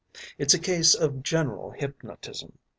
It’s a case of general hypnotism.